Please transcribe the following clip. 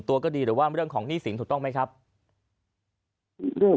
ตัวก็ดีหรือว่าเรื่องของหนี้สินถูกต้องไหมครับลูก